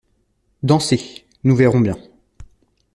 Dansez, nous verrons bien.